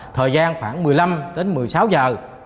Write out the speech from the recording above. thời gian khoảng một mươi năm đến một mươi sáu giờ